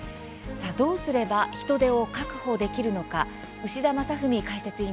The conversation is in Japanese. さあどうすれば人手を確保できるのか牛田正史解説委員とお伝えします。